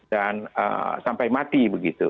dan sampai mati